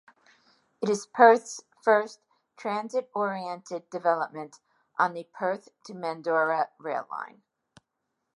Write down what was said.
It is Perth's first transit-oriented development on the Perth to Mandurah rail line.